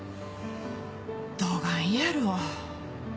どがんやろう。